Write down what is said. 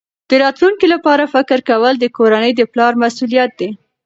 د راتلونکي لپاره فکر کول د کورنۍ د پلار مسؤلیت دی.